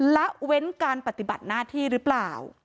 ละเว้นการปฏิบัติหน้าที่หรือเปล่า